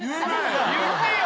言ってよ！